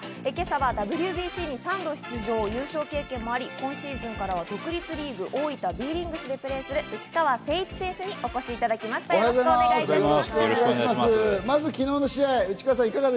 今朝はＷＢＣに３度出場、優勝経験もあり、今シーズンからは独立リーグ・大分Ｂ‐リングスでプレーする内川聖一選手にお越しいただきました、よろしくお願いいたします。